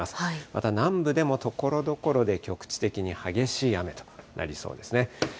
また南部でも、ところどころで局地的に激しい雨となりそうですね。